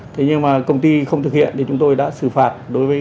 thế nhưng mà công ty không thực hiện thì chúng tôi đã xử phạt